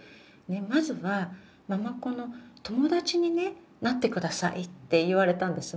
「まずは継子の友達にねなってください」って言われたんです。